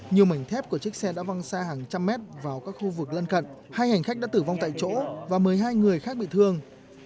nhiều mảnh thép của chiếc xe đã văng xa hàng trăm mét vào các khu vực lân cận hai hành khách đã tử vong tại chỗ và một mươi hai người khác bị thương